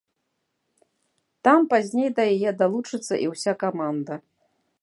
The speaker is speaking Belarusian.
Там пазней да яе далучыцца і ўся каманда.